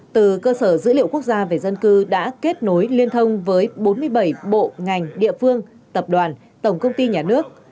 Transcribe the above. từ cơ sở dữ liệu quốc gia về dân cư đã kết nối liên thông với bốn mươi bảy bộ ngành địa phương tập đoàn tổng công ty nhà nước